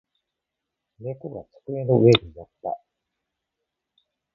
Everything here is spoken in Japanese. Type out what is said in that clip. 猫が机の上に乗った。